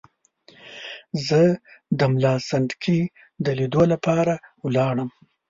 زه د ملا سنډکي د لیدلو لپاره ولاړم.